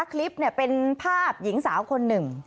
คลิปเป็นภาพหญิงสาวคนหนึ่ง